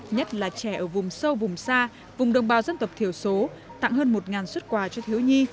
nhất là trẻ ở vùng sâu vùng xa vùng đồng bào dân tộc thiểu số tặng hơn một xuất quà cho thiếu nhi